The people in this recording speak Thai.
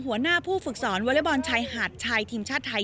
หัวหน้าผู้ฝึกสอนวอเล็กบอลชายหาดชายทีมชาติไทย